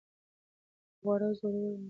که خواړه زوړ وي مه یې خورئ.